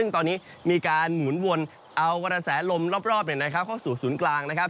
ตอนนี้มีการหมุนวนเอากระแสลมรอบเนี่ยนะครับเข้าสู่ศูนย์กลางนะครับ